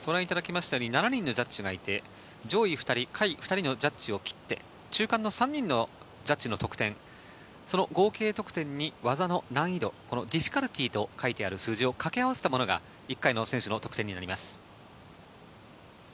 ７人のジャッジがいて上位２人、下位２人のジャッジを切って、中間の３人のジャッジの得点、その合計得点に技の難易度、ディフィカルティーと書いてある数字を掛け合わせたものが１回の選手の得点になります。